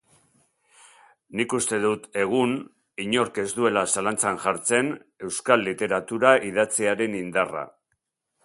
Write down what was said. Nik uste dut egun inork ez duela zalantzan jartzen euskal literatura idatziaren indarra.